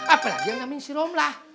apalagi yang namanya si romlah